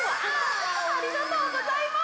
ありがとうございます。